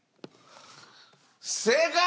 正解！